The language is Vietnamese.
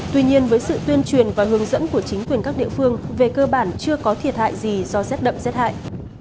tuy nhiên với sự tuyên truyền và hướng dẫn của chính quyền các địa phương về cơ bản chưa có thiệt hại gì do rét đậm rét hại